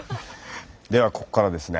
ではここからですね